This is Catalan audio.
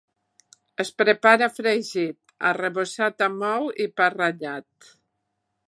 Es prepara fregit, arrebossat amb ou i pa ratllat.